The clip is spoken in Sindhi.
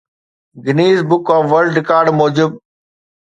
Guinness book of world record موجب